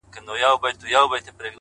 زما د ښكلي ښكلي ښار حالات اوس دا ډول سول